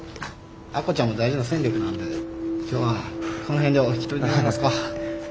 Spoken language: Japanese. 亜子ちゃんも大事な戦力なんで今日はこの辺でお引き取り願えますか。